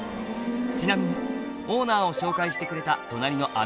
「ちなみにオーナーを紹介してくれた隣の」